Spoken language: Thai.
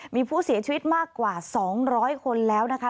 มีผู้เสียชีวิตมากกว่า๒๐๐คนแล้วนะคะ